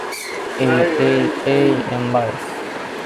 এই, এই, এই, এম্বার।